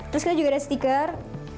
terus kan juga ada stiker